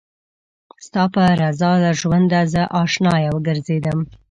ستا په رضا له ژونده زه اشنايه وګرځېدم